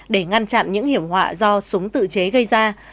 để ngăn chặn những hiểm họa do súng tự chế gây ra